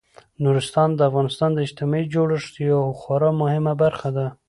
نورستان د افغانستان د اجتماعي جوړښت یوه خورا مهمه برخه ده.